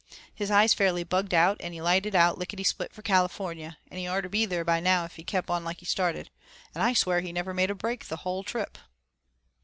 His eyes fairly bugged out an' he lighted out lickety split for California, and he orter be there about now if he kep' on like he started and I swear he never made a break the hull trip."